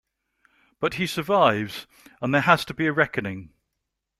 But he survives, and there has to be a reckoning.